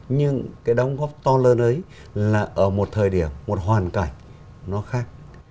nhưng cái đóng góp to lớn ấy là ở một thời điểm một hoàn cảnh nó khác